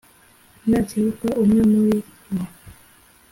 nakebuka umwe muli bo